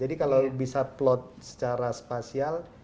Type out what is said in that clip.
jadi kalau bisa plot secara spasial